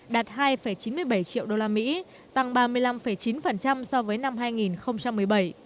đạt hai chín mươi bảy triệu đô la mỹ tăng ba mươi năm chín so với năm hai nghìn một mươi bảy